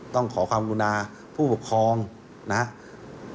ต้องขอความกุณาผู้ปกครองนะครับ